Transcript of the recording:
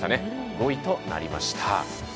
５位となりました。